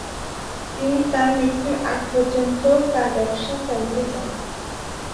তিনি তার মৃত্যুর আগ পর্যন্ত তার ব্যবসা চালিয়ে যান।